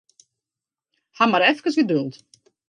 Haw mar efkes geduld.